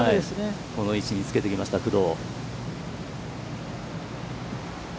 この位置につけてきました、工藤。